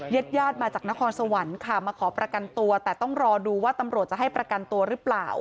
ญาติญาติมาจากนครสวรรค์ค่ะมาขอประกันตัวแต่ต้องรอดูว่าตำรวจจะให้ประกันตัวหรือเปล่า